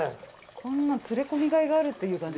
こんなの連れ込みがいがあるっていうかね。